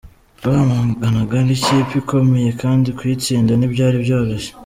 Twahanganaga n’ikipe ikomeye kandi kuyitsinda ntibyari byoroshye.